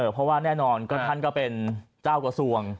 เพราะว่าแน่นอนท่านก็เป็นเจ้ากระทรวง